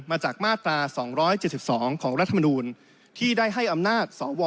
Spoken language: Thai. มาจากมาตรา๒๗๒ของรัฐมนูลที่ได้ให้อำนาจสว